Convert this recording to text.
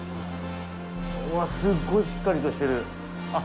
うわぁ、すっごいしっかりとしてる！